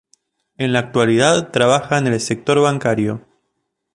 En la actualidad trabaja en el sector bancario.